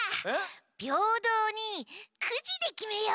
びょうどうにくじできめよう。